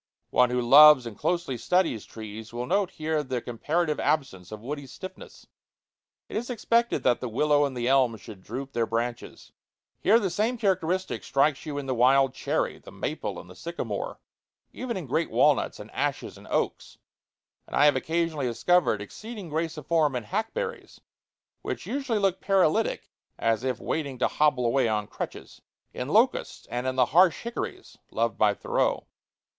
One who loves and closely studies trees will note here the comparative absence of woody stiffness. It is expected that the willow and the elm should droop their branches. Here the same characteristic strikes you in the wild cherry, the maple, and the sycamore even in great walnuts and ashes and oaks; and I have occasionally discovered exceeding grace of form in hackberries (which usually look paralytic and as if waiting to hobble away on crutches), in locusts, and in the harsh hickories loved by Thoreau.